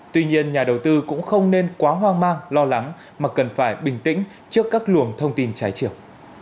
tuy nhiên nhà đầu tư cũng không nên quá hoang mang lo lắng mà cần phải bình tĩnh trước các luồng thông tin trái chiều